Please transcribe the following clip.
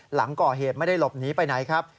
หลังก่อเหตุไม่ได้หลบหนีไปไหนครับ